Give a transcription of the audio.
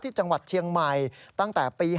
ที่จังหวัดเชียงใหม่ตั้งแต่ปี๒๕๕